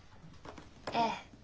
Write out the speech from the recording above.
ええ。